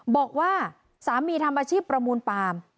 บอกว่าสามีทำอาชีพประมูลปาล์ม